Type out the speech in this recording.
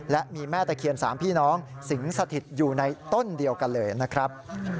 และมีแม่ตะเคียน๓พี่น้องสิงสถิตอยู่ในต้นเดียวกันเลยนะครับ